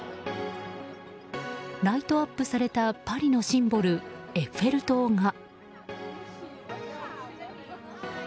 ライトアップされたパリのシンボル、エッフェル塔が。